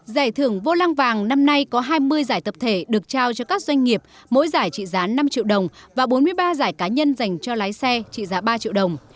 giải thưởng vô lăng vàng năm nay có hai mươi giải tập thể được trao cho các doanh nghiệp mỗi giải trị giá năm triệu đồng và bốn mươi ba giải cá nhân dành cho lái xe trị giá ba triệu đồng